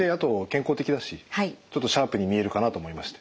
ちょっとシャープに見えるかなと思いまして。